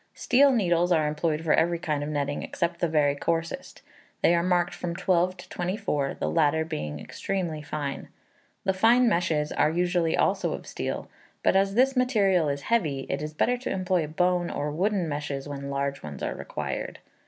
Steel needles are employed for every kind of netting except the very coarsest. They are marked from 12 to 24, the latter being extremely fine. The fine meshes are usually also of steel; but, as this material is heavy, it is better to employ bone or wooden meshes when large ones are required.